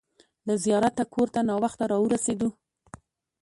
له زیارته کور ته ناوخته راورسېدو.